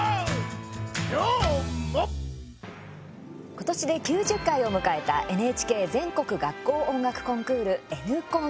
今年で９０回を迎えたＮＨＫ全国学校音楽コンクール「Ｎコン」。